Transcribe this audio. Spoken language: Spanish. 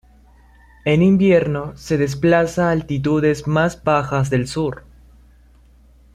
En invierno se desplaza a altitudes más bajas del sur.